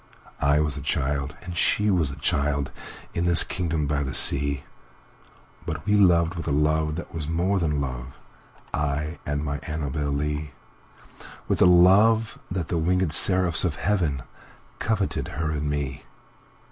I was a child and she was a child, In this kingdom by the sea, But we loved with a love that was more than love,I and my Annabel Lee; With a love that the wingèd seraphs of heavenCoveted her and me.